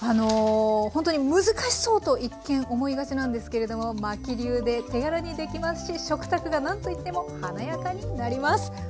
ほんとに難しそうと一見思いがちなんですけれどもマキ流で手軽にできますし食卓がなんと言っても華やかになります。